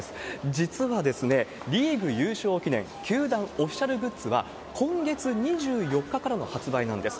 実はですね、リーグ優勝記念球団オフィシャルグッズは、今月２４日からの発売なんです。